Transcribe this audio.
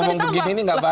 banding itu kan ditambah